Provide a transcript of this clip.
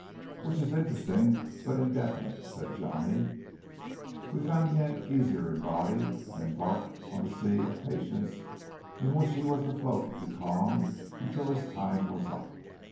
"Which is interesting, but indefinite," said Johnny. We found Yank easier in body, and embarked on the sea of patience in which he was to float becalmed until his time was up.